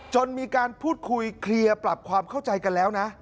จนมีการพูดคุยเคลียร์ปรับความเข้าใจกันแล้วนะ